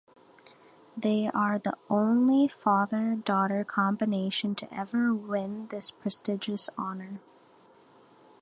They are the only father-daughter combination to ever win this prestigious honour.